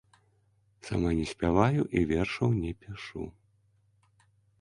Сама не спяваю і вершаў не пішу.